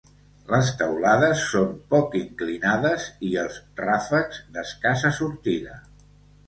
Les teulades són poc inclinades i els ràfecs d'escassa sortida.